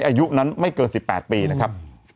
อายุนั้นไม่เกิน๑๘ปีนะครับ